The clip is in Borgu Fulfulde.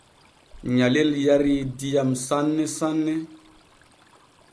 Nyalel yarii diyam sanne sanne.